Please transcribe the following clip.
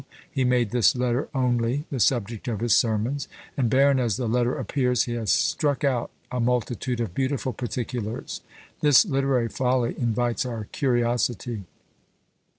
he made this letter only the subject of his sermons, and barren as the letter appears, he has struck out "a multitude of beautiful particulars." This literary folly invites our curiosity.